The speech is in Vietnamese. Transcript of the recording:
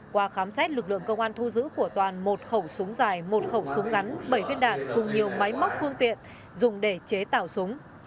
qua khám xét lực lượng công an thu giữ của toàn một khẩu súng dài một khẩu súng ngắn bảy viên đạn cùng nhiều máy móc phương tiện dùng để chế tạo súng